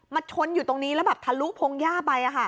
มันชนอยู่ตรงนี้แล้วแบบทะลุพงหญ้าไปอ่ะค่ะ